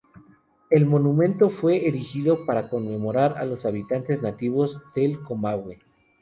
El monumento fue erigido para conmemorar a los habitantes nativos del Comahue.